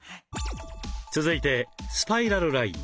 続いてスパイラルライン。